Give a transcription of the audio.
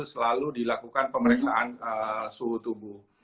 selalu dilakukan pemeriksaan suhu tubuh